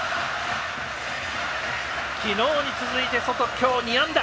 昨日に続いて、ソト今日２安打。